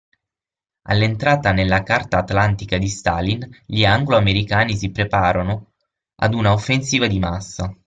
All'entrata nella Carta Atlantica di Stalin, gli anglo-americani si preparano ad una offensiva di massa.